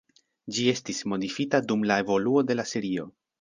Ĝi estis modifita dum la evoluo de la serio.